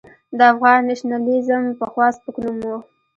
د افغان نېشنلېزم پخوا سپک نوم و.